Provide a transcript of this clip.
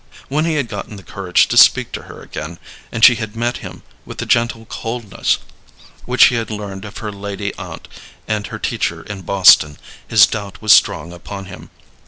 When he had gotten the courage to speak to her, and she had met him with the gentle coldness which she had learned of her lady aunt and her teacher in Boston, his doubt was strong upon him.